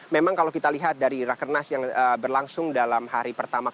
memang kalau kita lihat dari rakernas yang berlangsung dalam hari pertama